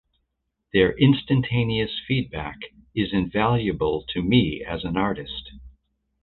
Their instantaneous feedback is invaluable to me as an artist.